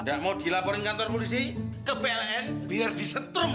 tidak mau dilaporin kantor polisi ke pln biar disetrum